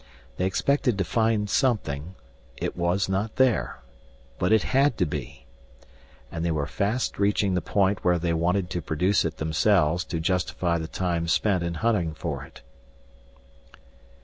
They expected to find something it was not there but it had to be! And they were fast reaching the point where they wanted to produce it themselves to justify the time spent in hunting for it.